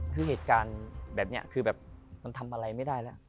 คือเหตุการณ์แบบนี้คือแบบมันทำอะไรไม่ได้แล้ว